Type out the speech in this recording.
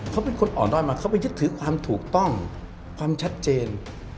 เขาเป็นคนอ่อนด้อยมาเขาไปยึดถือความถูกต้องความชัดเจน